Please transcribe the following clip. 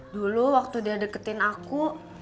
dulu waktu dia deketin aku